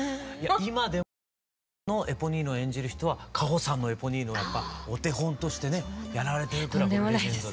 今でもその日本のエポニーヌを演じる人は歌穂さんのエポニーヌがやっぱお手本としてねやられてるぐらいレジェンドで。